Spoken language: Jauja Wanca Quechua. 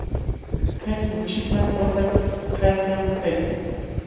Kay kuchipa waqtan karkam kaykan.